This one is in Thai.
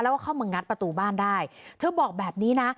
แล้วก็เข้ามางัดประตูบ้านได้เธอบอกแบบนี้นะ